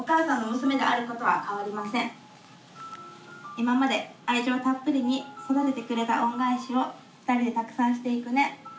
今まで愛情たっぷりに育ててくれた恩返しを２人でたくさんしていくね。